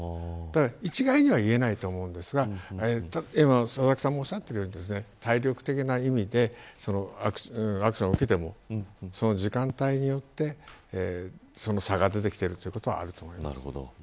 一概には言えないと思いますが佐々木さんもおっしゃっているように体力的な意味で時間帯によって差が出てきているということはあると思います。